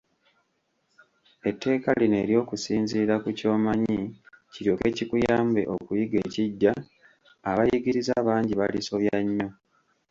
Etteeka lino ery'okusinziira ku ky'omanyi kiryoke kikuyambe okuyiga ekiggya, abayigiriza bangi balisobya nnyo.